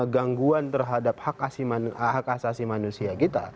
gangguan terhadap hak asasi manusia kita